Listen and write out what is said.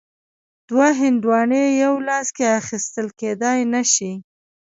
دوه هندواڼې یو لاس کې اخیستل کیدای نه شي.